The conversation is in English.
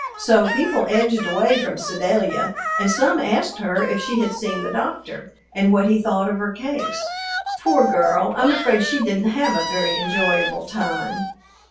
So people edged away from Sedalia, and some asked her if she had seen the doctor and what he thought of her case. Poor girl, I'm afraid she didn't have a very enjoyable time.